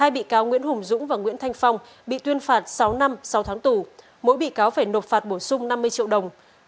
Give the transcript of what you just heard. hai bị cáo nguyễn hùng dũng và nguyễn thanh phong bị tuyên phạt sáu năm sau tháng tù mỗi bị cáo phải nộp phạt bổ sung năm mươi triệu đồng